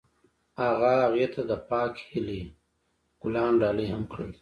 هغه هغې ته د پاک هیلې ګلان ډالۍ هم کړل.